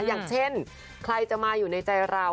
อย่างเช่นใครจะมาอยู่ในใจเรา